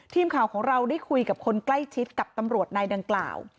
ทีมข่าวของเราได้คุยกับคนใกล้ชิดกับตำรวจนายดังกล่าว